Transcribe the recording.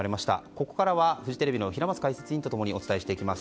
ここからはフジテレビの平松解説委員と共にお伝えしていきます。